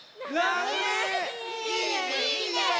いいねいいね！